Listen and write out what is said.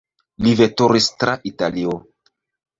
Li veturis tra Italio.